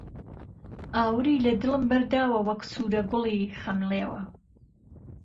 ئاوری له دڵم بهرداوه وهک سووره گوڵی خهمڵیوه